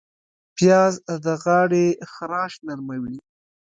پیاز د غاړې خراش نرموي